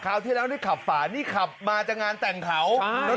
ที่แล้วนี่ขับฝานี่ขับมาจากงานแต่งเขา